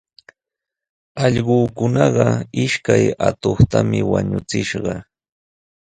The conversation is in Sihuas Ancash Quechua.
Allquukunaqa ishkay atuqtami wañuchishqa.